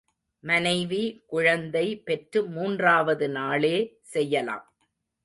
மனைவி குழந்தை பெற்று மூன்றாவது நாளே செய்யலாம்.